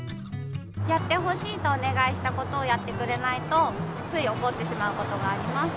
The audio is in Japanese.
やってほしいとおねがいしたことをやってくれないとついおこってしまうことがあります。